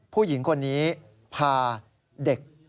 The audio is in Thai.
ผู้หญิงคนนี้พาเด็ก